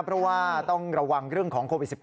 เพราะว่าต้องระวังเรื่องของโควิด๑๙